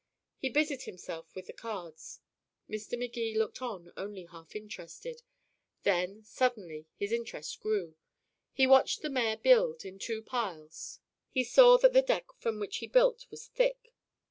He busied himself with the cards. Mr. Magee looked on, only half interested. Then, suddenly, his interest grew. He watched the mayor build, in two piles; he saw that the deck from which he built was thick.